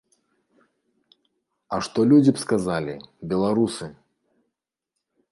А што людзі б сказалі, беларусы?